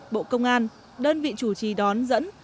bộ công an đơn vị chủ trì đón dẫn